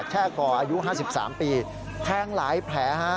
แช่ก่ออายุ๕๓ปีแทงหลายแผล